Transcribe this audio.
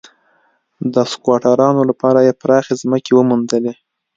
د سکواټورانو لپاره یې پراخې ځمکې وموندلې.